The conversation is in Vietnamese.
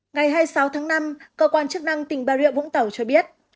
ngày hai mươi sáu tháng năm cơ quan chức năng tỉnh ba rượu vũng tàu cho biết